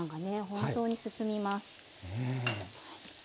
本当に進みます。